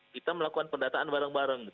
kita melakukan pendataan bareng bareng